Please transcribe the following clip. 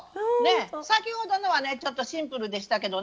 先ほどのはねちょっとシンプルでしたけどね